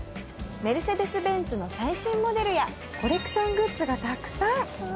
メルセデス・ベンツの最新モデルやコレクショングッズがたくさん！